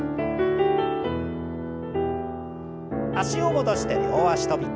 脚を戻して両脚跳び。